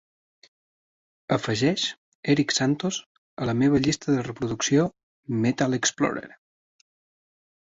Afegeix Erik Santos a la meva llista de reproducció Metal Xplorer